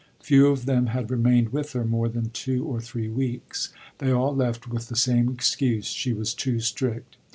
Few of them had remained with her more than two or three weeks. They all left with the same excuse: she was too strict.